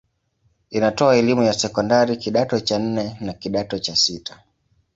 Inatoa elimu ya sekondari kidato cha nne na kidato cha sita.